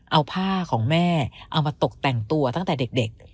เอาผ้าของแม่เอามาตกแต่งตัวตั้งแต่เด็ก